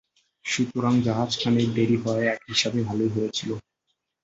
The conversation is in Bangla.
সুতরাং জাহাজখানির দেরী হওয়ায় এক হিসাবে ভালই হয়েছিল।